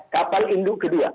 kapal induk ke dua